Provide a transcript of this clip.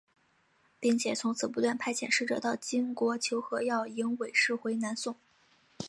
并且从此不断派遣使者到金国求和要迎韦氏回南宋。